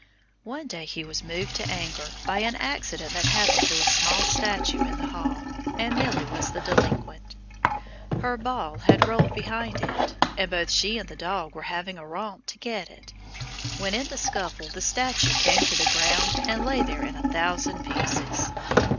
One day he was moved to anger by an accident that happened to a small statue in the hall and Milly was the delinquent. Her ball had rolled behind it, and both she and the dog were having a romp to get it, when in the scuffle the statue came to the ground and lay there in a thousand pieces.